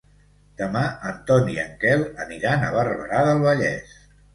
Demà en Ton i en Quel aniran a Barberà del Vallès.